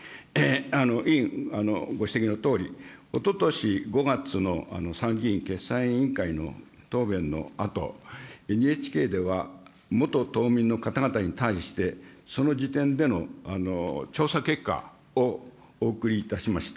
委員ご指摘のとおり、おととし５月の参議院決算委員会の答弁のあと、ＮＨＫでは、元島民の方々に対して、その時点での調査結果をお送りいたしました。